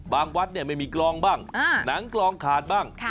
วัดไม่มีกลองบ้างหนังกลองขาดบ้าง